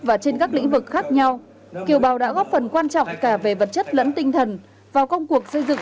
và trên các lĩnh vực khác nhau kiều bào đã góp phần quan trọng cả về vật chất lẫn tinh thần vào công cuộc xây dựng